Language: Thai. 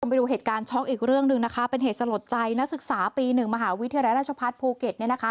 ไปดูเหตุการณ์ช็อกอีกเรื่องหนึ่งนะคะเป็นเหตุสลดใจนักศึกษาปีหนึ่งมหาวิทยาลัยราชพัฒน์ภูเก็ตเนี่ยนะคะ